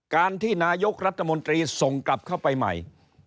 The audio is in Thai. การที่นายกรัฐมนตรีส่งกลับเข้าไปใหม่